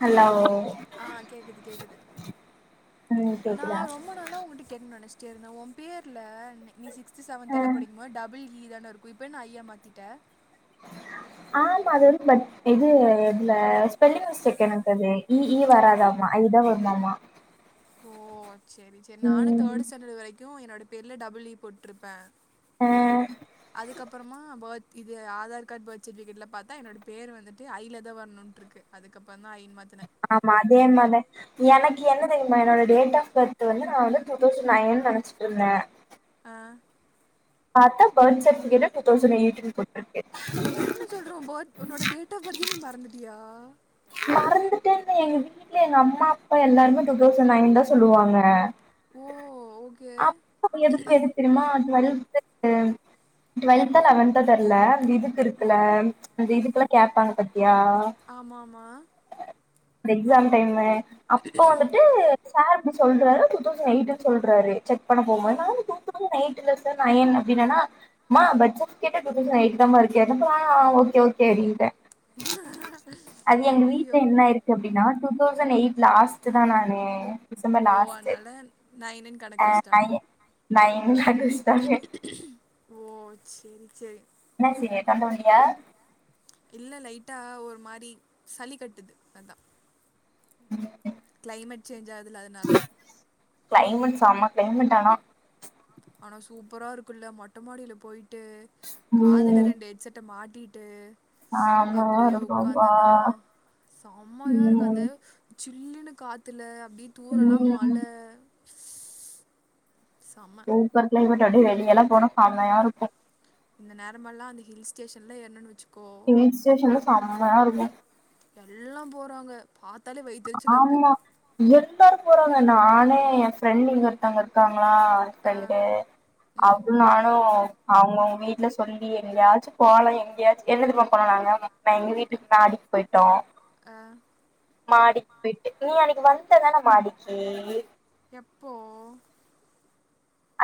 Hello ஆ கேக்குது கேக்குது நா ரொம்ப நாளா உங்கிட்ட கேக்கணும் நெனைச் செரி நா உன் பேர்ல நீ நீ சிக்ஸ்த் செவன்தெல்லாம் படிக்கும் போது டபுள் இ தானே இருக்கும் இப்ப ஏன் ஐ யா மாத்திட்ட ஆமா அது வந்து பட் இது இதுல ஸ்பெல்லிங் மிஸ்டேக் எனக்கு அது இ இ வராதாம்மா ஐ தா வருமாமா ஓ செரி செரி நானும் தேர்ட் ஸ்டாண்டர்ட் வரை க்கும் என்னோட பேருல டபுள் இ போட்டுருப்பேன் அதுக்கப்பறமா பாய் இது ஆதார் கார்டு பர்த் சர்டிபிகேட் பாத்தா என்னோட பேர் வந்துட்டு ஐல தா வரும்னு இருக்கு அதுக்கப் ஆமா அதே மாரி எனக்கு என்ன ம்மா என்னோட டேட் ஆப் பர்த் வந்து நான் வந்து டூ தௌசண்ட் நைன்னு நினச்சிட்டு இருந்தன் ஆ பாத்தா பர்த் சர்டிபிகேட்ல டூ தௌசண்ட் எயிட்னு போட்டுருக்கு என்ன சொல்ற உன் பர் உன்னோட டேட் ஆப் பர்த் நீ மறந் திட்டியா மறந்துட்டேன் எங்க வீட்ல எங்க அம்மா அப்பா எல்லாருமே டூ தௌசண்ட் நைன் தா சொல்லுவாங்க ஓ அப் எதுக்கும் எது தெரியுமா அது வ [inaudible] டுவெல்தா லெவன்தா தெர்ல இதுக்கு இருக்குல அந்த இதுக்கெல்லாம் கேட்டாங்க [inaudible] ஆமமா இந்த எக்ஸாம் டைமு அப்ப வந்துட்டு சார் சொல்ற டூ தௌச் எயிட்னு சொல்றாரு பண்ணப் போகு போது நானும் டூ தௌச் எயிட் இல்ல சார் நாயன் அப்படின்னா மா பர்த் சர்டிபிகேடே டூ தௌச் எயிட்தாம இருக்கு என்னமா ஓகே ஓகே அப்படின்ட என்னடா அய்யய்யோ டூ தௌசண்ட் எயிட்ல லாஸ்ட் தா நானு ஓ அதனால நா என்னன்னு கணக் ஆ ஐய நய அட்வைஸ் தாங்க என்ன சேரி தொண்ட வலியா இல்ல லைட்டா ஒரு மாரி சளி கட்டுது அதா உம் கிளைமேட் செம்மா கிளைமேட் ஆனா ஆனா சூப்பரா இருக்குல்ல மொட்டைமாடியில போயிட்டு காதுல ரெண்டு எட்சட்ட மாட் டிட்டு அப்படியே உக்காந்தனா செமையா இருக்கா அந்த சில்லனு காத்துல அப்படிய தூரெல்லா மழ சூப்பர் கிளைமேட் அடியே வெளிய எல்லா போன சாமயா இருக்கு இந்த நேரம எல்லா அந்த ஹில்ஸ் ஸ்டேஷன்ல ஏறணும்னு வச்சுக்கோ ஹில்ஸ் ஸ்டேஷன்ல செமையா இருக்கு எல்லா போறாங்க பாத் ஆமா எல் லாரும் போறாங்க நானே எ ஃரெண்டலிங்காங்க ஒருத்தங்க இருக்கா இருக்காங்களா பிரண்டு அப்புறம் நானும் அவங்க உங்க வீட்டுல சொல்லி எங்கேயாச்சும் போல எங்கேயாச்சு என்னதுமா போனம் நாங்க ந எங்க வீட்டுக்கு மாடிக்கு போயிட்டோ அ மாடிக்போயிட்டு நீ அன்னைக்கு வந்தன மாடிக்கி எப்போ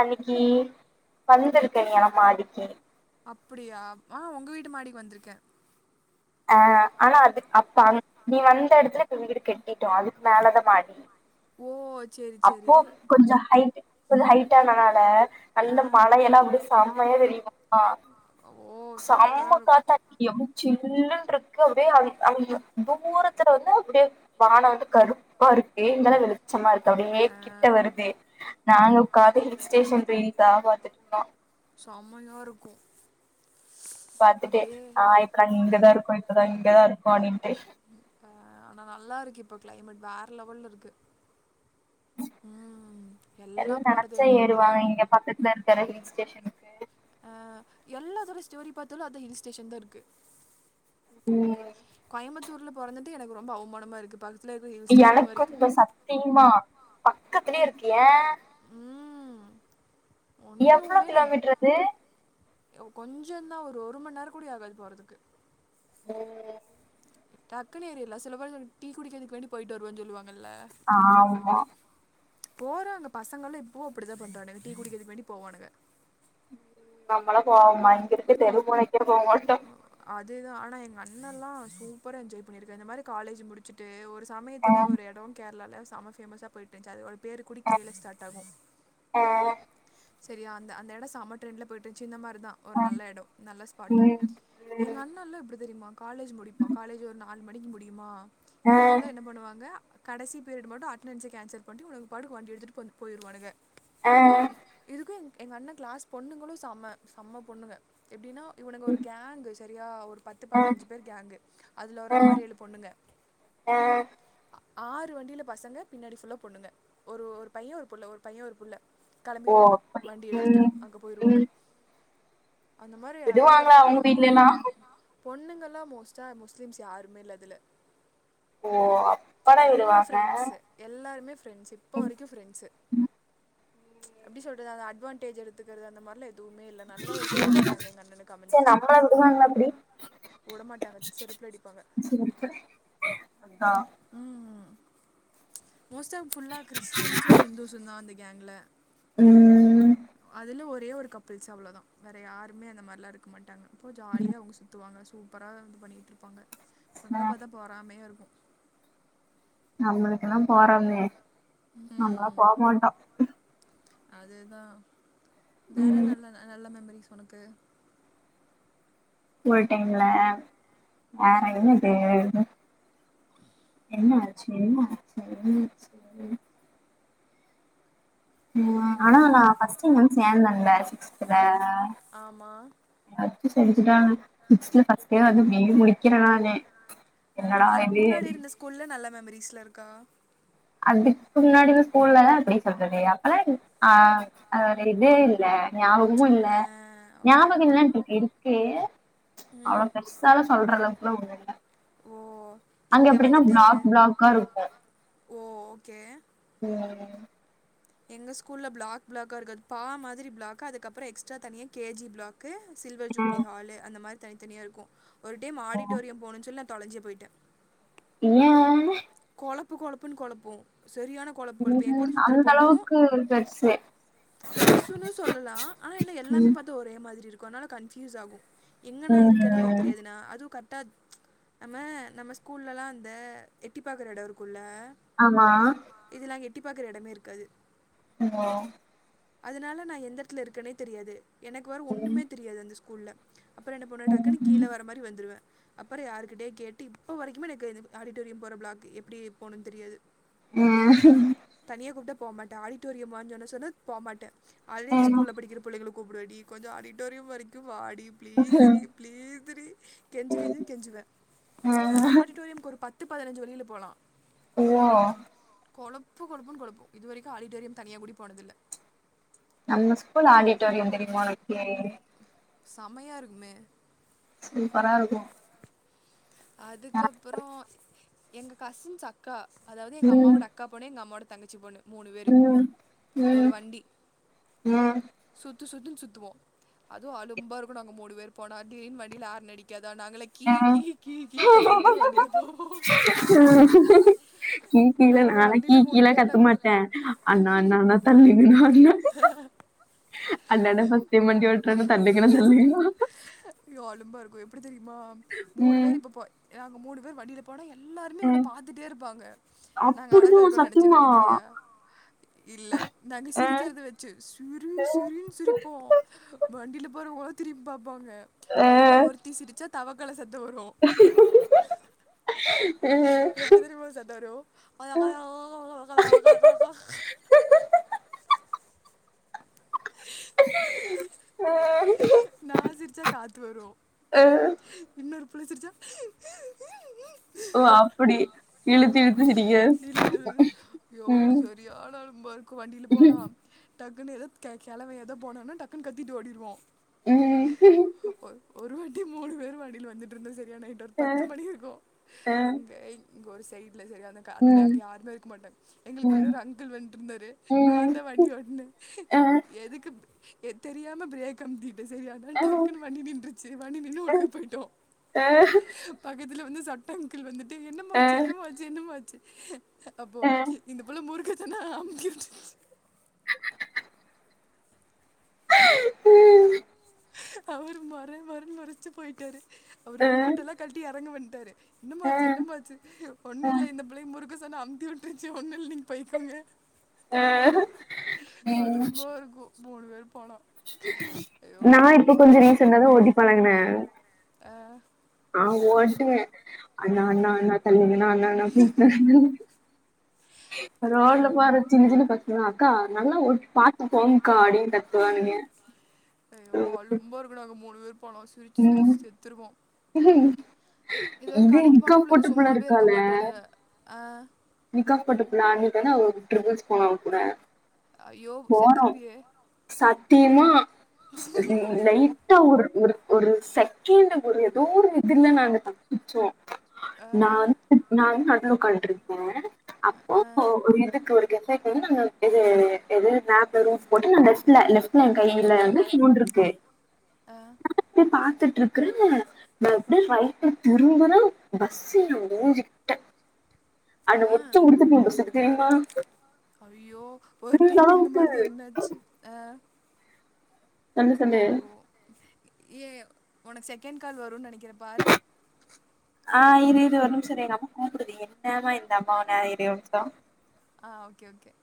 அன்னக்கி வந்திருக்கீங்களா மாடிக்கு அப்படியா ஆ உங்க வீட்டு மாடிக்கு வந்திருக்கே ஆ ஆனா அது அப்பா அங் நீ வந்த இடத்துல இப்ப வீடு கட்டிட்டோ அதுக்கு மேலத மாடி ஓ அப்போ கொஞ்ச ஹைட் கொஞ்ச ஹைட்டான நால நல்ல மழையெல்லா அப்டி செம்மையா தெரியுமா ஆ செம்ம காத்து அடிச்சு மூச்சி சில்லுனு இருக்கு அப்டியே அங் அங்க தூரத்துல வந்து அப்டியே வானோ வந்து கருப்பா இருக்கு இங்கல்லா வெளிச்சமா இருக் அப்டியே கிட்ட வருது நாங்க காது ஹில் ஸ்டேஷன் ட்ரைனிங் தான் பாத்துட்டு இருந்தோ சமையா இருக்கு பாத்துட்டே ஆ இப்ப நாங் இங்கதான் இருக்கோ தா இங்க தா இருக்கோ அனின்ட்டு ஆ ஆனா நல்லா இருக்கு இப்ப கிளைமேட் வேற லெவல்ல இருக்கு எல்லா நெனைச்சா ஏறுவாங்க இங்க பக்கத்துல இருக்கிற ஹில் ஸ்டேஷனுக்கு ஆ எல்லாத்தோட ஸ்டோரி பாத்தாலு அந்த ஹில் ஸ்டேஷன் தா இருக்கு உம் இந்தூர்ல பொறந்துட்டு எனக்கு ரொம்ப அவுமானமா இருக்கு பாத் எனக்கு இப்ப சத்தியமா பக்கத்லேயே இருக்கிய எவ்ளவு கிலோ மீட்டர் அது கொஞ்ஜோ தா ஒரு ஒரு மணி நேரோ கூட ஆகாது போறதுக்கு ம் டக்குனு ஏரியல்ல சில பேரும் [inaudible] டீ குடிக்கிறதுக்கு வேண்டி போயிட்டு வருவான் சொல்லுவாங்க ஆ ஆமா போற அங்க பசங்களு இப்போவும் அப்படிதான் பண்றவானுங்க டீ குடிக்க எதுக்கு வேண்டி போவானுங்க நம்மளா போவோமா இங் இருக்க தெருமுனை அதேதான் ஆனா அண்ணல்லா சூப்பரா என்ஜாய் பண்ணியிருக்கா இந்த மாரி காலேஜ் முடிச்சுட்டு ஒரு சமயத்துல ஒரு இடம் கே ல்ல செம பேமஸா போயிட்டு இருச்சு அது ஒரு பேரு கூடி கீழ ஸ்டார்ட் ஆகு சரி அந்த அந்தட செம ட்ரென்ல போயிட்டுருச் இந்தமரி தா ஒரு நல்ல எடோ நல்ல ஸ்பாட்டு எங்க அண்ணல்லா எப்டி தெரியுமா காலேஜ் முடிப்பா காலேஜ் ஒரு நாலு மடிக்கு முடியுமா இவனுங்கல்லா என்ன பண்ணுவாங்க கடைசி பீரியட் மட்டு அட்டன்ஸ் கேன்சல் பண்ட்டு இவனுங்க பாட்டுக்கு வண்டி எடுத்துட்டு போயிர்வானுங்க ஆ எங்க அண்ண கிளாஸ் பொண்ணுங்களு செம்ம செம்ம பொண்ணுங்க எப்டின்னா இது உனக்கொரு க சரியா ஒரு பத்து பதினஞ்சு பேர் கேங்கு அதுல ஒரு ஆறு ஏழு பொண்ணுங்க ஆறு வண்டில பசங்க பின்னாடி ஃபுல்லா பொண்ணுங்க ஒரு ஒரு பைய ஒரு புள்ள ஒரு பைய ஒரு புள்ள கிளெம்பிடுவாங்க வண்டி எடுத்துட்டு அங்க போயிருவாங்க அந்த மாரி எவ்ளோ எடுத் அவுங்க வீட்டுலல்லா பொண்ணுங்கல்லா மோஸ்ட்டா முஸ்லிம்ஸ் யாருமே இல்லதுல எல்லா ப்ரரெண்ட்ஸ் எல்லாருமே ஃப்ரெண்டஸ் இப்போ வரைக்கு ஃப்ரெண்ட்ஸு எப்டி சொல்றது அந்த அட்வான்டேஜ் எடுத்துக்குறது அந்த மாரிலா எதுமே இல்ல நல்ல ஒரு ஃரெண்ட்ஸ் கேங் எங்க அண்ணனுக்கு அமைஞ்சிரு ஆ விடுவாங்ளா அப்டி ம்ஹ்ம் மோஸ்ட ஆ ஃபுல்லா கிறிஸ்டியன்ஸு ஹிந்துஸுந் தா அந் கேங்ள ம் அதுல ஒரே ஒரு கப்புள்ஸ் அவ்ளோ தா வேற யாருமே அந்த மார்லா இருக்க மாட்டாங்க இப்போ ஜாலியா அவுங்க சுத்துவாங்க சூப்பரா வந்து பண்ணிட்டுருப்பாங்க நம்மலா பார்த்தா போறாமையா இருக்கு நம்மளக்கெல்லா பொறாமே நம்மளா போ மாட்டோ அது தா வேற நல்ல நல்ல மெமரி ஒனக்கு ஸ்கூல் டைம்ல வேற என்னது என்ன ஆச்சி என்ன ஆச்சி என்ன ஆச்சி ம் ஆனா நா ஃபர்ஸ்டந்து சேர்ந்வந்தே [unintelligible] ஆமா செரி இதா சிக்ஸ்த்ல ஃபர்ஸ்ட்டே வந்து மெய் முழிக்கிறனானு என்னடா இது மரீஸ்லர்க்கா அதுக்கு முன்னாடி ஸ்கூல்லதா எப்டி சொல்றது அப்பல்ல ஆ இதே இல்ல ஞாபகமும் இல்ல ஞாபகம் இல்ட்டு இருக்கு அவ்ளோ பெருசால சொல்றத அப்பா ஓன்னில அங்க எப்டின்னா ப்ளாக் ப்ளாக்கா இருக்கு கே நீங்க நெனைக்கது எங்க ஸ்கூல்ல பிளாக் பிளாகக்கா இருக்குது பா மாதிரி பிளாக் அதுக்கப்றோ எக்ஸ்ட்ரா தனியா KG block silver jubilee hall அந்த மாரி தனித்தனியா இருக்கு ஒரு டைம் ஆடிட்டோரியம் போணு சொல்ல தொலஞ்சி பொயிட்டே ஏ கொழப்பு கொழப்புன்னு கொழப்பு உஹும் அந்த அளவுக்கு ஒரு பர்ஸு பெருசுன்னு சொல்லலா ஆனா என்ன எல்லாமே பார்த்தா ஒரே மாதிரி இருக்கு அதனால கன்ஃபியூஸ் ஆகு எங்கன்னா இருக்குன்னு எனக்கு தெரியாதுண்ணா அதுவும் க ட் நம்ம நம்ம ஸ்கூல்லல்லா இந்த எட்டி பாக்குற எடம்இருக்குள்ள ஆமா எட்டி பா்க்ற எடமே இருக்காது மா அதனால நா எந்த எடத்துல இருக்கனே தெரியாது எனக்கு வர ஒண்ணுமே தெரியாது அந்த ஸ் குள்ள அப்புற என்ன பண்ணுவ டக்கு கீழ வர மாரி வந்துடுவே அப்பற யாருக்கிட்டய கேட்டு இப்ப வரைக்குமே எனக்கு ஆடிட்டோரியம் போற ப்ளாக் எப்டி போனுன் தெரியாது ஆஹ் போ மாட்டே ஆடிடோரியம் வான்னு சொன்ன சொன்னா போமாட்டே ஆல்ரெடி அந்த ஸ்கூல்ல படிக்கிற புள்ளைகளு கூப்டுவடி கொஞ்சோ ஆடியோரியம் வரிக்கு வாடி பிளீசுரீ ப்ளீஸ் த்திரி கெஞ்சு கெஞ்சுன் கெஞ்சுவே அது ஆடிட்டோரியம்க்கு ஒரு பத் த்து பதினஞ்சு வழில போலா [unintelligible] கொழப்பு கொழப்புன் கொழப்பு இதுவரைக்கு ஆடிடோரியம் தனியாகூடி போனதில்ல நம்ம ஸ்கூல் ஆடிட்டோரியம் தெரிமா உனக்கு செமையா இருக்குமே சூப்பரா இருக்கு அதுக்கப்புரோ எங்க கசின்ஸ் அக்கா அதாவது எங்க அம்மாவோட அக்கா பொண்ணு எங்க அம்மாவோட தங்கச்சி பொண்ணு உம் உம் உம் சுத்து சுத்துன் சுத்துவோ அதுவு அலும்பா இருக்கு நாங்க மூணு பேரு போனா திடீர்ன் வண்டில ஹார்ன் அடிக்காது இதுல நாங்களே கீ கீ கீ கீன் கத்திட்டே வண்டில போவோ கீ கீழ நானே கீ கீழ கத்த மாட்டே அண்ணா அண்ணா அண்ணா அண்ணா தள்ளி நில்னா அப்டினா அந்த அண்ண கொஞ்சோ [unintelligible] ப்டி திரி மாம் மூணு பேரு இப்ப போய் ஏன்னா அங்க மூணு பேர் வண்டில போனா எ ல்லாருமே எங்கள பாத்துட்டே இருப்பாங்க நாங்க அழகா இருக்கோ நினச்ச நனைக்கிறியா இல்ல நாங்க சிரிக்கிறத வச்சு சிரி சிரின் சிரிப்போ வண்டில போறவங் கூட திறிம்ப்பாப் போங்க அதுல ஒருத்தி சிரிச்சா தவக்கல சத் தூறு எப்படி திரும்ப சட்டாரோ [unintelligible] ஆஹ் [inaudible] நான் சிரிச்சா காத்து வரும் இன்னொரு பள்ள தெிர்சா [inaudible] ஓ அப்படி இழுத் இழுத் இழுதுழு யோ [unintelligible] சரியானானழும்ப இருக்கும் வண்டியில போனா டக்குன்ன எத கிழவ எதோ போனோனா டக்குன்னனு கத்திட்டு ஓடிடுவோம் அ ஒருவி [inaudible] மூணு பேர் வண்டில் வந்துட்டு இருந்த ஒரு பத்து மணி இருக்கும் எங்க இங்க ஒரு சைட்ல சரிய அந்த அங்க யாருமே இருக்க மாட்டாங்க எங்களுக்கு பின்னடி அங்கள் வந்துருந்தாரு நான் தான் வண்டி ஓடினேன் எதுக்கு எ தெரியாமல் பிரேக் அமிக் சரி ஆனா டக்குன்னு வண்டி நின்றுச்சு வண்டி நின்று உள்ள போயிட்டோம் பக்கத்து வந்து சட்ட ஆங்கிள் வந்துட்டு என்னமா ஆச்சு என்னம ஆச்சு என்னமா ஆச்சு ஹ் [unintelligible] அப்போ இந்த பில்ல முருக அஹ்ஹ் [inaudible] உம் [inaudible] அவர் மறை மரன் மறைச்சு போயிட்டாரு அவர் எல்மெட்டு எல்லாம் கலட்டி இறங்க வேண்ட தரி என்னமாச்சு என்னமாச்சு ஒண்ணு இல்லலை இந்த பிள்ளை முரு ச அம்பி விட்டுருச்சு ஒன்னு நீங்க [unintelligible] உஹ் [inaudible] அலூம்பா இருக்கும் போடுவர் [unintelligible] நான் இப்ப கொஞ்சம் ரீசன்டாந்தான் ஓட்டி பழங்கினேன் ஓ அட்டு அண்ணா அண்ணா அண்ணா தள்ள ந ந அ ரோடல போற சின்ன சின்ன பசங்களாம் அக்கா [inaudible] நல்லா ஓட்டி பாத்துக்கோம் அய்யோ அலும்பா இருக்க நாங்க மூணு பேரு போனம் சிரிச்சு சிரிச்சு செத்துருவோம் இது ஒரு கடைக்கு போனா இவுளுக சும்மாவே இருக்க மாட்டாளுக ஆ நிக்காக்கு போட்ட பிளானுக்குதான அவ ட்ரிபிள்ஸ் போனோ அவ கூட போனோ சத்தியமா ஸ் ம் லைட்டா ஒரு ஒரு ஒரு செக ண்ட்ல ஒரு எதோ ஒரு இதுல நாங்க தப்பிச்சோ நான் நானு நடுவுல உக்கார்றே ஆ அப்போ ஒ ஒரு இதுக்கு ஒரு [unintelligible] வந்து நாங்க இது எது மேப்ல ரூட் போட்டு லெஃப்ட்ல லெஃப்ட் ல என் கையில வந்து ஃபோன் இருக்கு அப்டியே பாத்துட் ருக்கற நா அப்டியே ரைட்ல திரும்புற பஸ்ஸு ஏன் மூஞ்சிக்கிட்ட அதுல [unintelligible] குடுத்துட்ருப்பே பஸ்ஸுக்கு தெரியுமா அந்தளவுக்கு ஆ என்ன சொன்ன உனக்கு செகண்ட் கால் வருன்னு நெனைக்கிற பாரு. ஆ இரு இரு ஒரு நிமிஷோ இரு எங்க அம்மா கூப்புடுது என்னம்மா இந்த அம்மா [unintelligible] இரு ஒரு நிமிஷோ ஆ ஓகே ஓகே